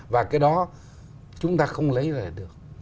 và cái đó chúng ta không lấy lại được